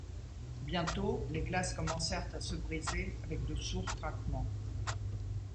Bientôt, les glaces commencèrent à se briser avec de sourds craquements.